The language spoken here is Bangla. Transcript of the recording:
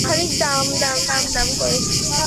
আরোও পরিষ্কার করে বলা উচিত ছিল আপনার!